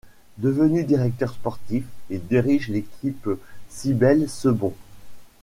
Devenu directeur sportif, il dirige l'équipe Cibel-Cebon.